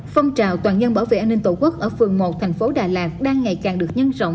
phong trào toàn dân bảo vệ an ninh tổ quốc ở phường một thành phố đà lạt đang ngày càng được nhân rộng